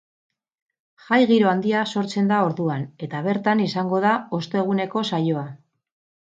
Jai giro handia sortzen da orduan, eta bertan izango da osteguneko saioa.